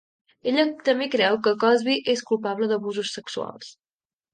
Ella també creu que Cosby és culpable d"abusos sexuals.